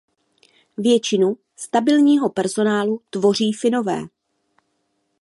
Většinu stabilního personálu tvoří Finové.